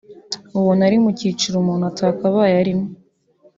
ubona ari mu cyiciro umuntu atakabaye arimo